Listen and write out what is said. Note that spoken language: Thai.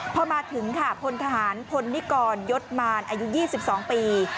พอมาถึงค่ะพลทหารพลนิกรยศมารอายุ๒๒ปี